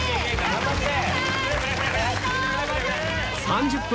頑張って！